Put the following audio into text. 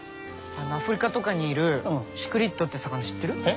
アフリカとかにいるシクリッドって魚知ってる？え？